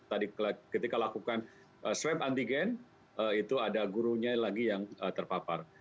tadi ketika lakukan swab antigen itu ada gurunya lagi yang terpapar